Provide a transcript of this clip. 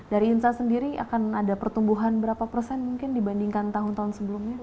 dari insa sendiri akan ada pertumbuhan berapa persen mungkin dibandingkan tahun tahun sebelumnya